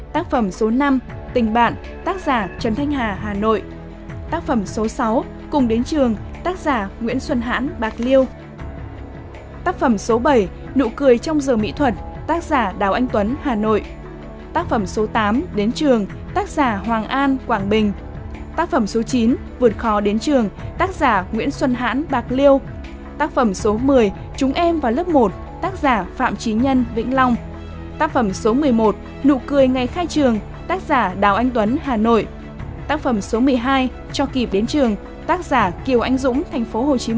tác phẩm số một mươi năm đến trường mùa nước nổi tác giả hiếu minh vũ đồng tháp